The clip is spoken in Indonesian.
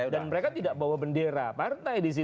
dan mereka tidak bawa bendera partai disitu